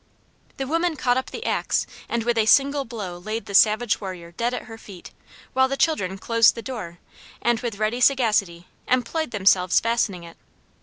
The woman caught up the axe and with a single blow laid the savage warrior dead at her feet, while the children closed the door, and, with ready sagacity, employed themselves fastening it.